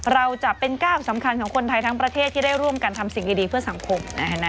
เราจะเป็นก้าวสำคัญของคนไทยทั้งประเทศที่ได้ร่วมกันทำสิ่งดีเพื่อสังคม